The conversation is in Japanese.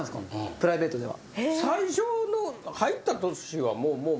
プライベートでは。